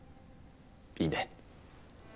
いいね？